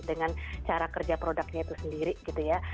dengan cara kerja produknya itu sendiri gitu ya